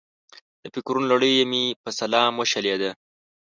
د فکرونو لړۍ مې په سلام وشلېده.